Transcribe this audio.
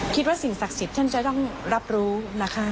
สิ่งศักดิ์สิทธิ์ท่านจะต้องรับรู้นะคะ